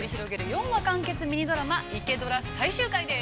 ４話完結ミニドラマ「イケドラ」最終回です。